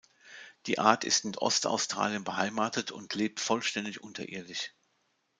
Die Art ist in Ostaustralien beheimatet und lebt vollständig unterirdisch.